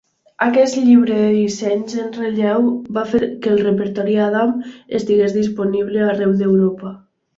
Aquest llibre de dissenys en relleu va fer que el repertori "Adam" estigués disponible arreu d'Europa.